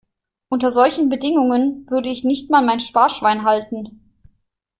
Unter solchen Bedingungen würde ich nicht mal mein Sparschwein halten.